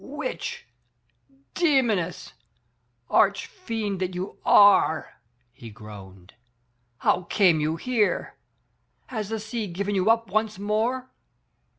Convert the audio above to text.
."Witch, demoness, arch fiend that you are!" he groaned, how came you here? Has the sea given you up once more?"